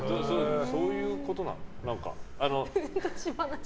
そういうことなの？